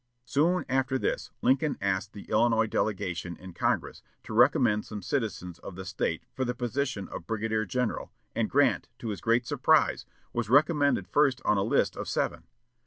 Soon after this Lincoln asked the Illinois delegation in Congress to recommend some citizens of the State for the position of brigadier general, and Grant, to his great surprise, was recommended first on a list of seven.